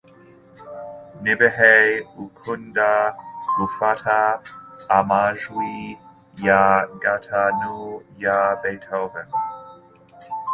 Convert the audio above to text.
Nibihe ukunda gufata amajwi ya gatanu ya Beethoven?